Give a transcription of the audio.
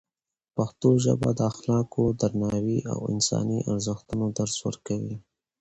پښتو ژبه د اخلاقو، درناوي او انساني ارزښتونو درس ورکوي.